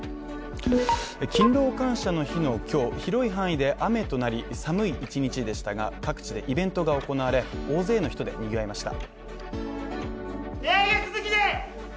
勤労感謝の日の今日、広い範囲で雨となり寒い一日でしたが各地でイベントが行われ大勢の人でにぎわいました。